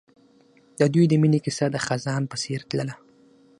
د دوی د مینې کیسه د خزان په څېر تلله.